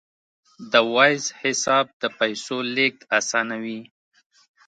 د وایز حساب د پیسو لیږد اسانوي.